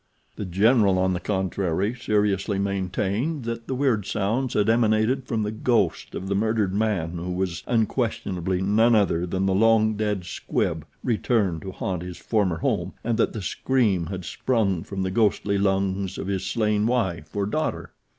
The General, on the contrary, seriously maintained that the weird sounds had emanated from the ghost of the murdered man who was, unquestionably, none other than the long dead Squibb returned to haunt his former home, and that the scream had sprung from the ghostly lungs of his slain wife or daughter.